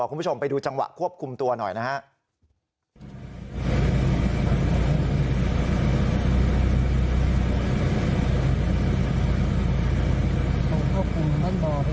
คุณผู้ชมไปดูจังหวะควบคุมตัวหน่อยนะครับ